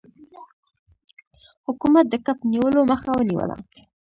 حکومت د کب نیولو مخه ونیوله.